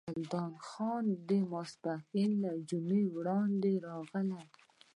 ګلداد خان د ماسپښین له جمعې وړاندې راغی.